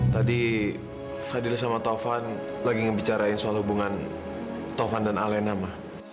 tadi fadil sama tovan lagi ngebicarain soal hubungan tovan dan elena ma